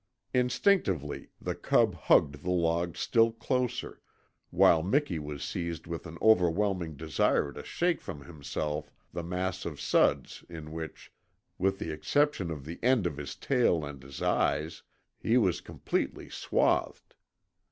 Instinctively the cub hugged the log still closer, while Miki was seized with an overwhelming desire to shake from himself the mass of suds in which, with the exception of the end of his tail and his eyes, he was completely swathed.